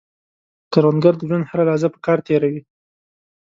کروندګر د ژوند هره لحظه په کار تېروي